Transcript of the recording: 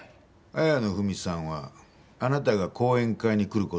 綾野文さんはあなたが講演会に来る事を知ってたんですか？